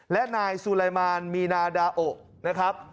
และนายซูไลมานมีนาดาโอนะครับ